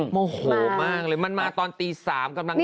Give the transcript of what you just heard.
โมโหมากเลยมันมาตอนตี๓กำลัง